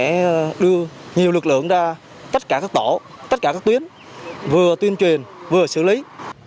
để đưa nhiều lực lượng ra tất cả các tổ tất cả các tuyến vừa tuyên truyền vừa xử lý